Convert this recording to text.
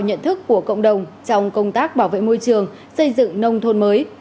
nhận thức của cộng đồng trong công tác bảo vệ môi trường xây dựng nông thôn mới